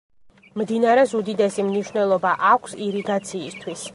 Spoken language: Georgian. მდინარეს უდიდესი მნიშვნელობა აქვს ირიგაციისთვის.